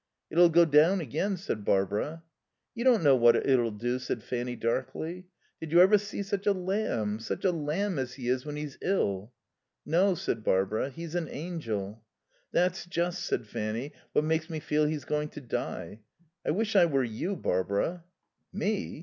"It'll go down again," said Barbara. "You don't know what it'll do," said Fanny darkly. "Did you ever see such a lamb, such a lamb as he is when he's ill?" "No," said Barbara; "he's an angel." "That's just," said Fanny, "what makes me feel he's going to die.... I wish I were you, Barbara." "Me?"